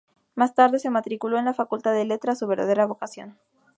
Más tarde se matriculó en la Facultad de Letras, su verdadera vocación.